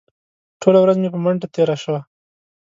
ټوله ورځ مې په منډو تېره شوه.